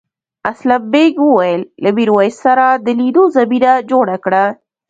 اسلم بېگ وویل له میرويس سره د لیدو زمینه جوړه کړه.